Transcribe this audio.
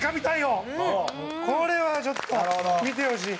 これはちょっと見てほしい。